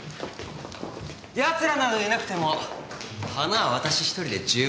やつらなどいなくても華は私１人で十分だ。